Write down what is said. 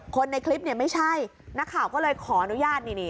คนในคลิปเนี่ยไม่ใช่นักข่าวก็เลยขออนุญาตนี่